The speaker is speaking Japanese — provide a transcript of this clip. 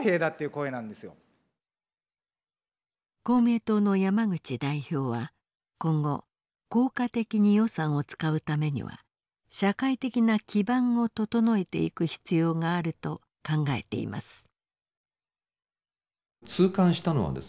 公明党の山口代表は今後効果的に予算を使うためには社会的な基盤を整えていく必要があると考えています。